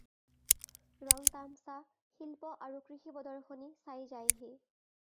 ৰং-তামচা, শিল্প আৰু কৃষি প্ৰদৰ্শনী চাই যায়হি